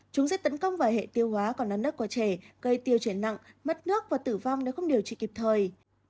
chúng sẽ tấn công và hệ tiêu hóa còn nắn đất của trẻ gây tiêu chảy nặng mất nước và tử vong nếu không điều trị kịp thời